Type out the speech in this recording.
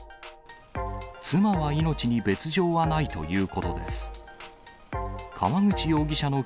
妻は命に別状はないということです。